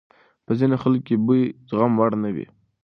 په ځینو خلکو کې بوی د زغم وړ نه وي.